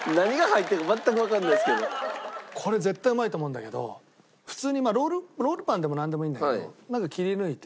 これ絶対うまいと思うんだけど普通にロールパンでもなんでもいいんだけどまず切り抜いて。